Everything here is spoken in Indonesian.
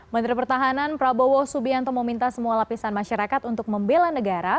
menteri pertahanan prabowo subianto meminta semua lapisan masyarakat untuk membela negara